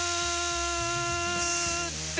って